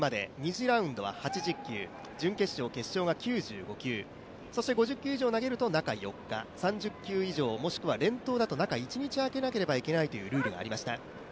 ２次ラウンドは８０球、準決勝・決勝が９５球、そして５０球以上投げると中４日、３０球以上、もしくは連投だと中一日あけなければいけないというルールがありました。